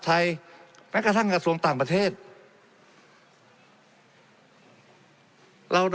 และมีผลกระทบไปทุกสาขาอาชีพชาติ